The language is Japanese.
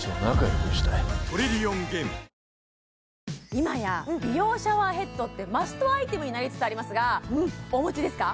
今や美容シャワーヘッドってマストアイテムになりつつありますがお持ちですか？